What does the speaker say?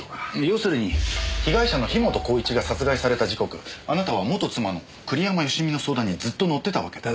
要するに被害者の樋本晃一が殺害された時刻あなたは元妻の栗山佳美の相談にずっと乗ってたわけだ。